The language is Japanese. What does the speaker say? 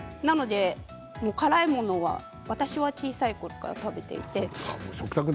辛いものは私は小さいころから食べていて。